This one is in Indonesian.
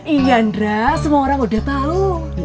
iya andra semua orang udah tahu